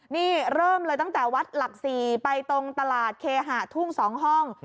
นี่เริ่มเลยตั้งแต่วัดหลัก๔ไปตรงตลาดเคหะทุ่ง๒ห้อง